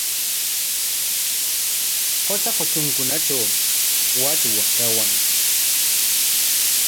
Qutra kutrunkunatraw wachwa kawan.